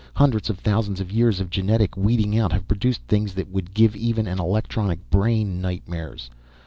Hundreds of thousands of years of genetic weeding out have produced things that would give even an electronic brain nightmares.